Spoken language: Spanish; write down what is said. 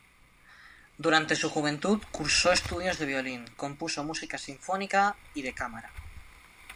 Durante su juventud cursó estudios de violín, compuso música sinfónica y de cámara.